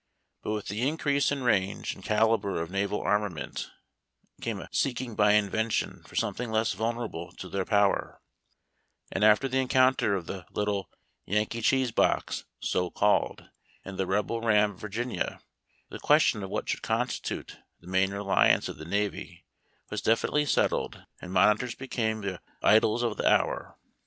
But with the increase in range and calibre of naval armament came a seeking by Invention for something less vulnerable to their power, and after the en counter of the little " Yankee Cheese Box," so called, and the Rebel Ram " Virginia," the question of what should consti tute the main reliance of the navy was definitely settled, and monitors became the idols of the hour.